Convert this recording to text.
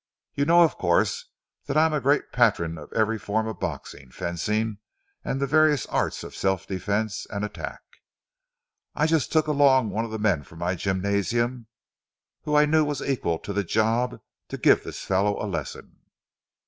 You know, of course, that I am a great patron of every form of boxing, fencing, and the various arts of self defence and attack. I just took along one of the men from my gymnasium who I knew was equal to the job, to give this fellow a lesson."